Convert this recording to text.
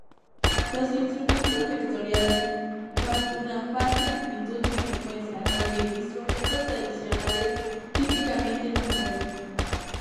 Los instrumentos vectoriales capturan fase, amplitud y frecuencia donde instrumentos tradicionales típicamente no pueden.